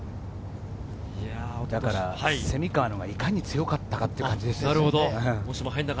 蝉川のがいかに強かったかという感じですよね。